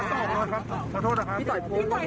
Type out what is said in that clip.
คำถามสุดท้ายครับแม่ตอนนี้หลังจากคนที่ดู